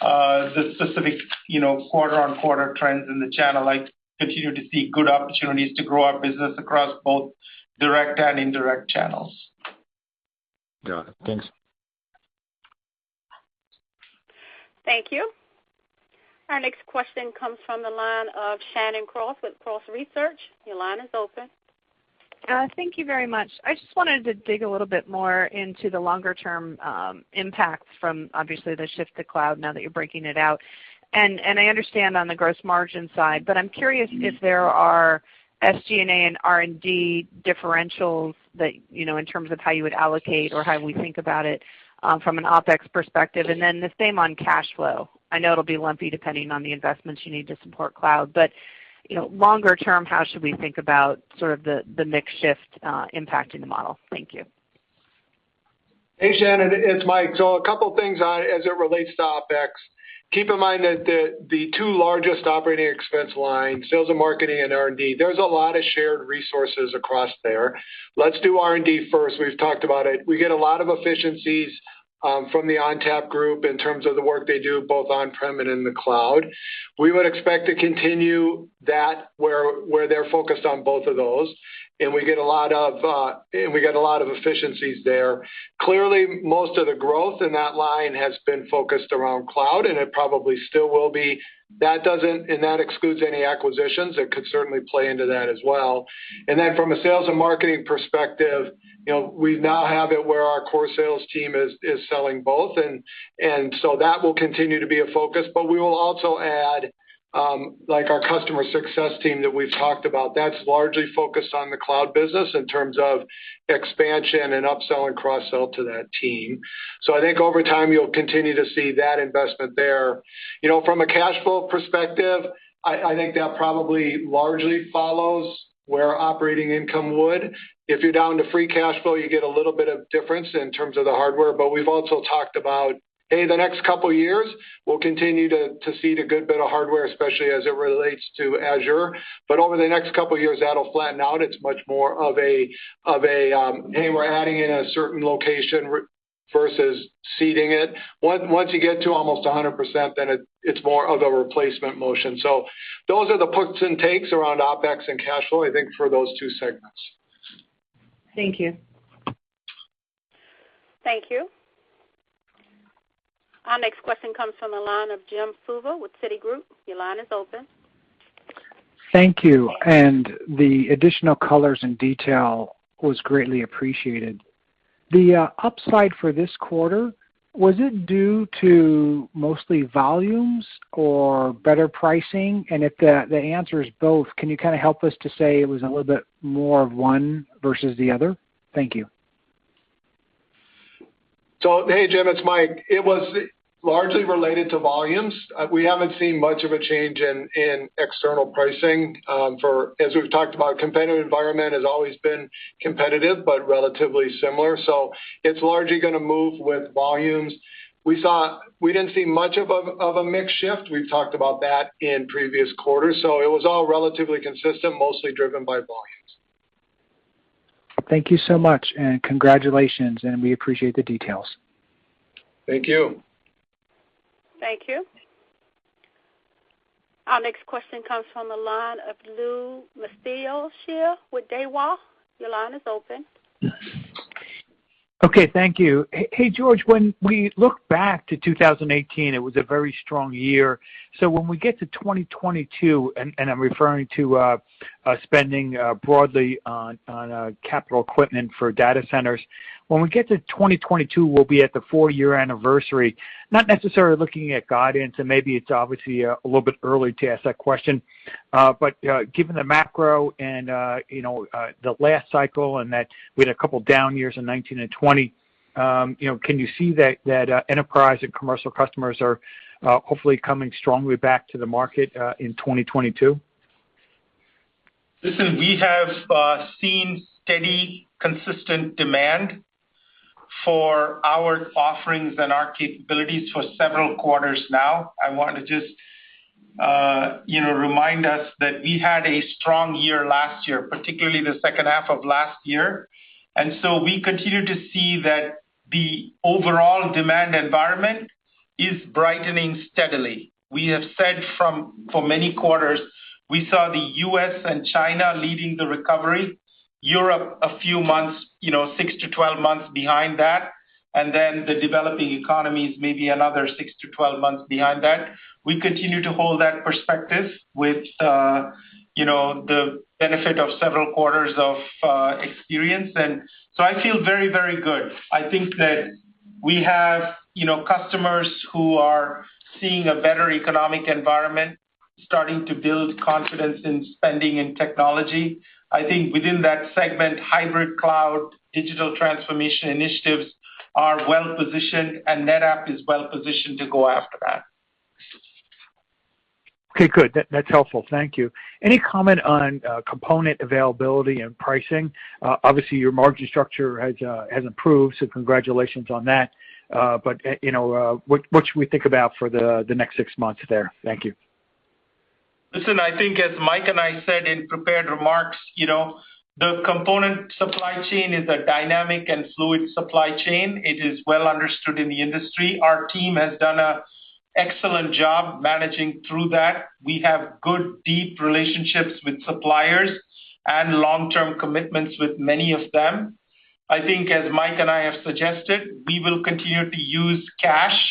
the specific quarter-on-quarter trends in the channel. I continue to see good opportunities to grow our business across both direct and indirect channels. Got it. Thanks. Thank you. Our next question comes from the line of Shannon Cross with Cross Research. Your line is open. Thank you very much. I just wanted to dig a little bit more into the longer-term impacts from obviously the shift to cloud now that you're breaking it out. I understand on the gross margin side, but I'm curious if there are SG&A and R&D differentials in terms of how you would allocate or how we think about it from an OpEx perspective. The same on cash flow. I know it'll be lumpy depending on the investments you need to support cloud. Longer term, how should we think about sort of the mix shift impacting the model? Thank you. Hey, Shannon, it's Mike. A couple things as it relates to OpEx. Keep in mind that the two largest operating expense lines, sales and marketing and R&D, there's a lot of shared resources across there. Let's do R&D first. We've talked about it. We get a lot of efficiencies from the ONTAP group in terms of the work they do both on-prem and in the cloud. We would expect to continue that where they're focused on both of those, and we get a lot of efficiencies there. Clearly, most of the growth in that line has been focused around cloud, and it probably still will be. That excludes any acquisitions. It could certainly play into that as well. From a sales and marketing perspective, we now have it where our core sales team is selling both, and so that will continue to be a focus. We will also add, like our customer success team that we've talked about, that's largely focused on the cloud business in terms of expansion and upsell and cross-sell to that team. I think over time, you'll continue to see that investment there. From a cash flow perspective, I think that probably largely follows where operating income would. If you're down to free cash flow, you get a little bit of difference in terms of the hardware. We've also talked about, hey, the next couple of years, we'll continue to seed a good bit of hardware, especially as it relates to Azure. Over the next couple of years, that'll flatten out. It's much more of a, hey, we're adding in a certain location versus seeding it. Once you get to almost 100%, then it's more of a replacement motion. Those are the puts and takes around OpEx and cash flow, I think for those two segments. Thank you. Thank you. Our next question comes from the line of Jim Suva with Citigroup. Your line is open. Thank you. The additional colors and detail was greatly appreciated. The upside for this quarter, was it due to mostly volumes or better pricing? If the answer is both, can you help us to say it was a little bit more of one versus the other? Thank you. Hey, Jim, it's Mike. It was largely related to volumes. We haven't seen much of a change in external pricing. As we've talked about, competitive environment has always been competitive but relatively similar. It's largely going to move with volumes. We didn't see much of a mix shift. We've talked about that in previous quarters, it was all relatively consistent, mostly driven by volumes. Thank you so much and congratulations, and we appreciate the details. Thank you. Thank you. Our next question comes from the line of Louis Miscioscia with Daiwa. Your line is open. Okay. Thank you. Hey, George, when we look back to 2018, it was a very strong year. When we get to 2022, and I'm referring to spending broadly on capital equipment for data centers, when we get to 2022, we'll be at the four-year anniversary. Not necessarily looking at guidance, and maybe it's obviously a little bit early to ask that question. Given the macro and the last cycle and that we had a couple down years in 2019 and 2020, can you see that enterprise and commercial customers are hopefully coming strongly back to the market in 2022? Listen, we have seen steady, consistent demand for our offerings and our capabilities for several quarters now. I want to just remind us that we had a strong year last year, particularly the second half of last year. We continue to see that the overall demand environment is brightening steadily. We have said for many quarters, we saw the U.S. and China leading the recovery, Europe a few months, six to 12 months behind that, the developing economies maybe another six to 12 months behind that. We continue to hold that perspective with the benefit of several quarters of experience. I feel very, very good. I think that we have customers who are seeing a better economic environment, starting to build confidence in spending in technology. I think within that segment, hybrid cloud digital transformation initiatives are well-positioned, and NetApp is well-positioned to go after that. Okay, good. That's helpful. Thank you. Any comment on component availability and pricing? Obviously, your margin structure has improved, so congratulations on that. What should we think about for the next six months there? Thank you. Listen, I think as Mike and I said in prepared remarks, the component supply chain is a dynamic and fluid supply chain. It is well understood in the industry. Our team has done an excellent job managing through that. We have good, deep relationships with suppliers and long-term commitments with many of them. I think as Mike and I have suggested, we will continue to use cash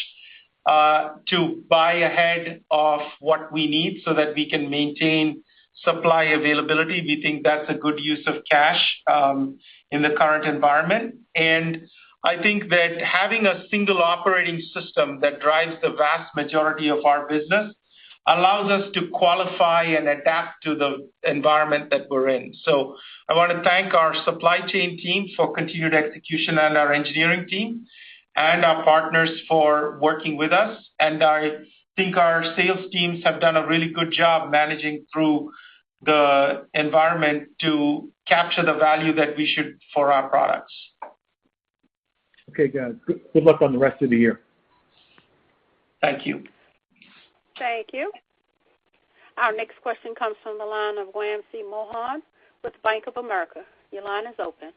to buy ahead of what we need so that we can maintain supply availability. We think that's a good use of cash in the current environment. I think that having a single operating system that drives the vast majority of our business allows us to qualify and adapt to the environment that we're in. I want to thank our supply chain team for continued execution and our engineering team and our partners for working with us. I think our sales teams have done a really good job managing through the environment to capture the value that we should for our products. Okay, guys. Good luck on the rest of the year. Thank you. Thank you. Our next question comes from the line of Wamsi Mohan with Bank of America. Your line is open.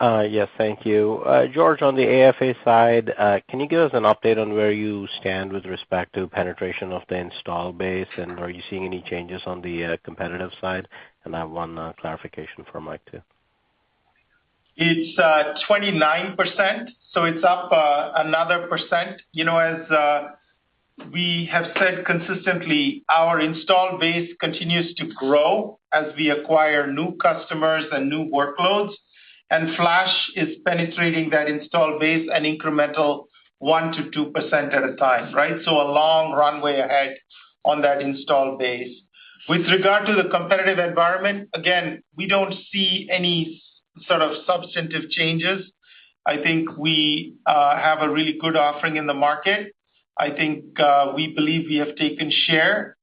Yes, thank you. George, on the AFA side, can you give us an update on where you stand with respect to penetration of the install base, and are you seeing any changes on the competitive side? I have 1 clarification for Mike, too. It's 29%, so it's up another 1%. As we have said consistently, our install base continues to grow as we acquire new customers and new workloads. Flash is penetrating that install base an incremental 1%-2% at a time, right? A long runway ahead on that install base. With regard to the competitive environment, again, we don't see any sort of substantive changes. I think we have a really good offering in the market. I think we believe we have taken share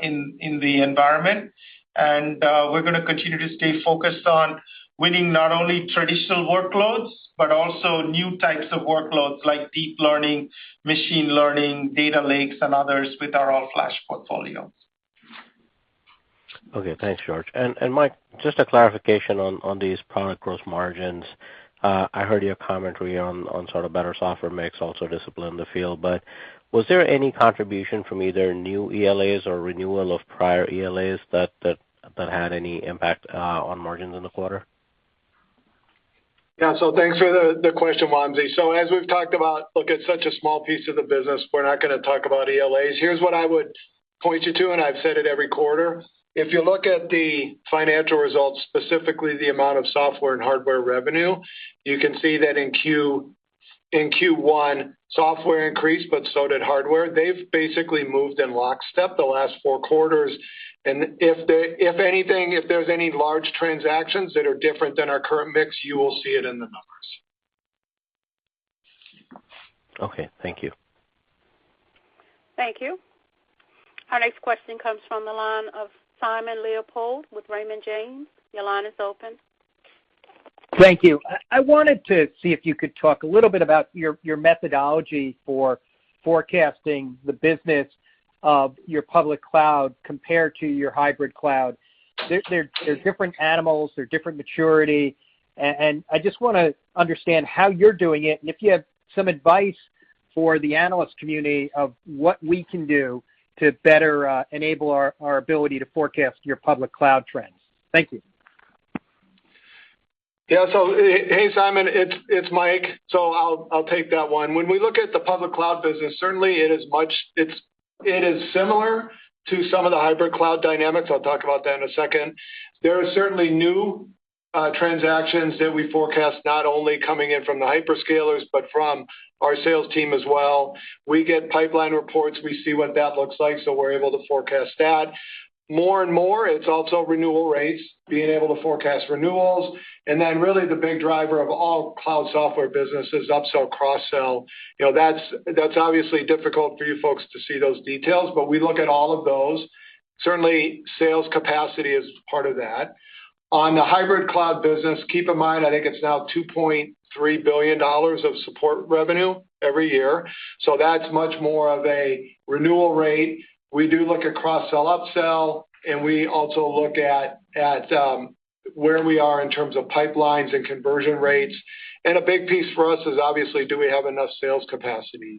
in the environment, and we're going to continue to stay focused on winning not only traditional workloads, but also new types of workloads like deep learning, machine learning, data lakes, and others with our all-Flash portfolio. Okay. Thanks, George. Mike, just a clarification on these product gross margins. I heard your commentary on better software mix, also discipline in the field, but was there any contribution from either new ELAs or renewal of prior ELAs that had any impact on margins in the quarter? Thanks for the question, Wamsi. As we've talked about, look, it's such a small piece of the business, we're not going to talk about ELAs. Here's what I would point you to, and I've said it every quarter. If you look at the financial results, specifically the amount of software and hardware revenue, you can see that in Q1, software increased, but so did hardware. They've basically moved in lockstep the last four quarters. If anything, if there's any large transactions that are different than our current mix, you will see it in the numbers. Okay, thank you. Thank you. Our next question comes from the line of Simon Leopold with Raymond James. Your line is open. Thank you. I wanted to see if you could talk a little bit about your methodology for forecasting the business of your public cloud compared to your hybrid cloud. They're different animals, they're different maturity, I just want to understand how you're doing it and if you have some advice for the analyst community of what we can do to better enable our ability to forecast your public cloud trends. Thank you. Yeah. Hey, Simon, it's Mike. I'll take that one. When we look at the public cloud business, certainly it is similar to some of the hybrid cloud dynamics. I'll talk about that in a second. There are certainly new transactions that we forecast not only coming in from the hyperscalers, but from our sales team as well. We get pipeline reports. We see what that looks like, so we're able to forecast that. More and more, it's also renewal rates, being able to forecast renewals. Really the big driver of all cloud software business is upsell, cross-sell. That's obviously difficult for you folks to see those details, but we look at all of those. Certainly, sales capacity is part of that. On the hybrid cloud business, keep in mind, I think it's now $2.3 billion of support revenue every year. That's much more of a renewal rate. We do look at cross-sell, upsell, and we also look at where we are in terms of pipelines and conversion rates. A big piece for us is obviously do we have enough sales capacity?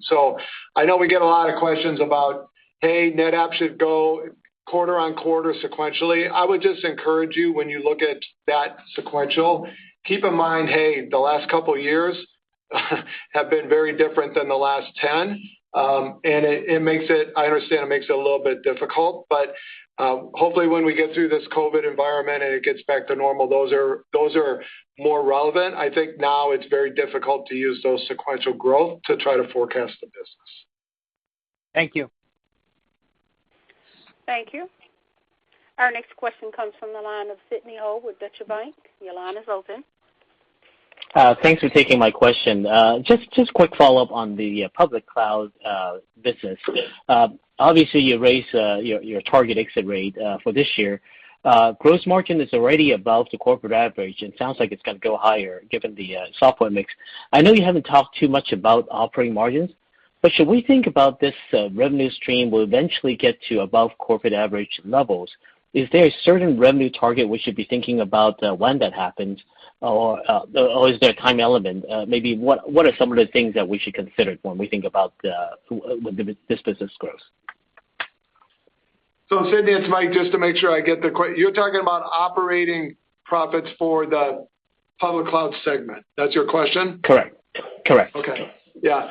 I know we get a lot of questions about, "Hey, NetApp should go quarter on quarter sequentially." I would just encourage you when you look at that sequential, keep in mind, hey, the last couple years have been very different than the last 10. I understand it makes it a little bit difficult, but hopefully when we get through this COVID environment and it gets back to normal, those are more relevant. I think now it's very difficult to use those sequential growth to try to forecast the business. Thank you. Thank you. Our next question comes from the line of Sidney Ho with Deutsche Bank. Your line is open. Thanks for taking my question. Just quick follow-up on the public cloud business. Sure. Obviously, you raised your target exit rate for this year. Gross margin is already above the corporate average, and sounds like it's going to go higher given the software mix. I know you haven't talked too much about operating margins, but should we think about this revenue stream will eventually get to above corporate average levels? Is there a certain revenue target we should be thinking about when that happens? Or is there a time element? Maybe what are some of the things that we should consider when we think about when this business grows? Sidney, it's Mike. Just to make sure I get the question, you're talking about operating profits for the public cloud segment. That's your question? Correct. Okay. Yeah.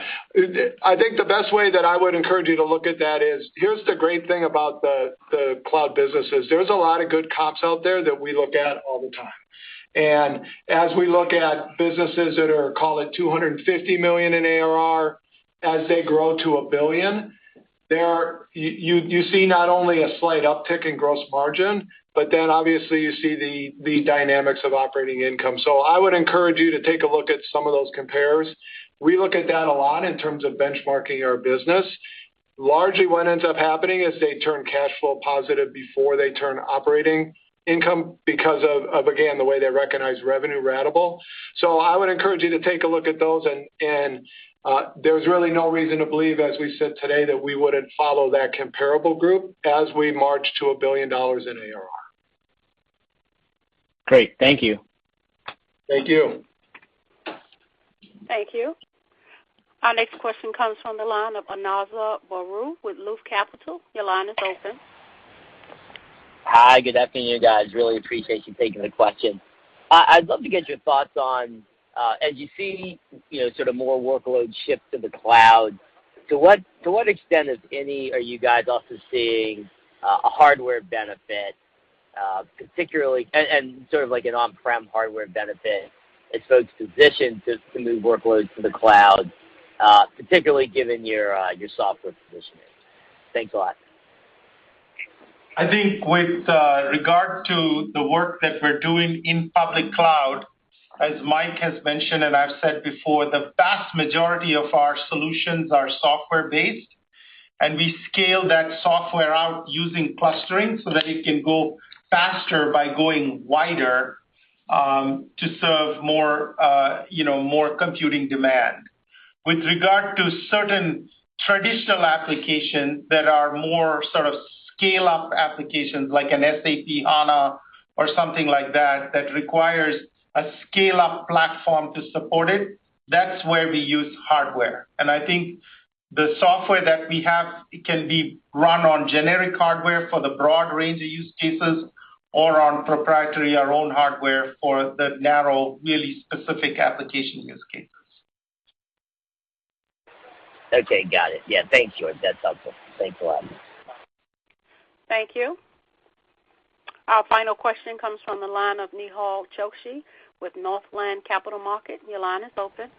I think the best way that I would encourage you to look at that is, here's the great thing about the cloud businesses. There's a lot of good comps out there that we look at all the time. As we look at businesses that are, call it $250 million in ARR, as they grow to $1 billion, you see not only a slight uptick in gross margin, but then obviously you see the dynamics of operating income. I would encourage you to take a look at some of those compares. We look at that a lot in terms of benchmarking our business. Largely what ends up happening is they turn cash flow positive before they turn operating income because of, again, the way they recognize revenue ratable. I would encourage you to take a look at those, and there's really no reason to believe, as we said today, that we wouldn't follow that comparable group as we march to $1 billion in ARR. Great. Thank you. Thank you. Thank you. Our next question comes from the line of Ananda Baruah with Loop Capital. Your line is open. Hi. Good afternoon, guys. Really appreciate you taking the question. I'd love to get your thoughts on, as you see more workload shift to the cloud. To what extent, if any, are you guys also seeing a hardware benefit, particularly and sort of like an on-prem hardware benefit as folks position to move workloads to the cloud, particularly given your software positioning? Thanks a lot. I think with regard to the work that we're doing in public cloud, as Mike has mentioned and I've said before, the vast majority of our solutions are software-based, and we scale that software out using clustering so that it can go faster by going wider, to serve more computing demand. With regard to certain traditional applications that are more sort of scale-up applications like an SAP HANA or something like that requires a scale-up platform to support it, that's where we use hardware. I think the software that we have can be run on generic hardware for the broad range of use cases or on proprietary, our own hardware for the narrow, really specific application use cases. Okay, got it. Yeah, thanks, George. That's helpful. Thanks a lot. Thank you. Our final question comes from the line of Nehal Chokshi with Northland Capital Markets. Your line is open.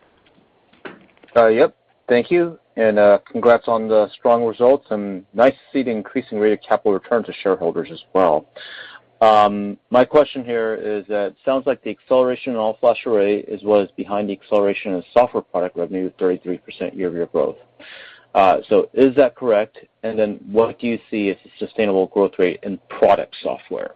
Yep, thank you, congrats on the strong results, and nice to see the increasing rate of capital return to shareholders as well. My question here is that it sounds like the acceleration in all-flash array is what is behind the acceleration of software product revenue, 33% year-over-year growth. Is that correct? What do you see as a sustainable growth rate in product software?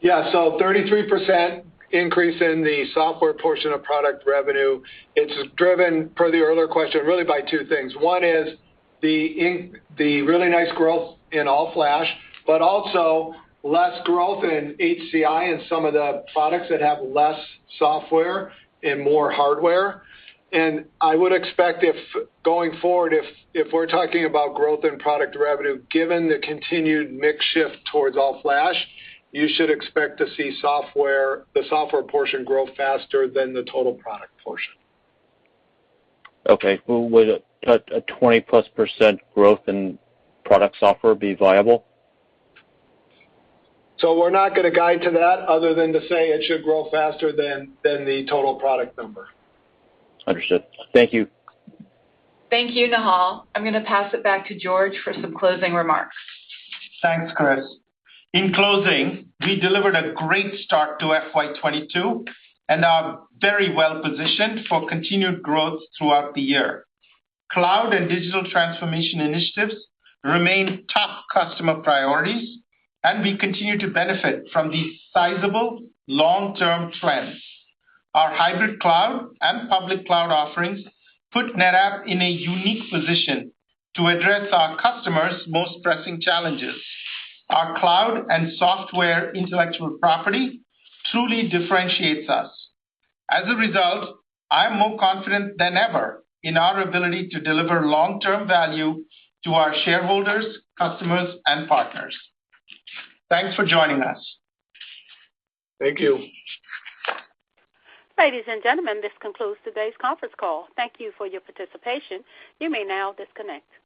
Yeah. 33% increase in the software portion of product revenue. It's driven, per the earlier question, really by two things. One is the really nice growth in all-flash, but also less growth in HCI and some of the products that have less software and more hardware. I would expect going forward, if we're talking about growth in product revenue, given the continued mix shift towards all-flash, you should expect to see the software portion grow faster than the total product portion. Okay. Well, would a 20-plus% growth in product software be viable? We're not going to guide to that other than to say it should grow faster than the total product number. Understood. Thank you. Thank you, Nehal. I'm going to pass it back to George for some closing remarks. Thanks, Kris. In closing, we delivered a great start to FY 2022 and are very well-positioned for continued growth throughout the year. Cloud and digital transformation initiatives remain top customer priorities, and we continue to benefit from these sizable long-term trends. Our hybrid cloud and public cloud offerings put NetApp in a unique position to address our customers' most pressing challenges. Our cloud and software intellectual property truly differentiates us. As a result, I am more confident than ever in our ability to deliver long-term value to our shareholders, customers, and partners. Thanks for joining us. Thank you. Ladies and gentlemen, this concludes today's conference call. Thank you for your participation. You may now disconnect.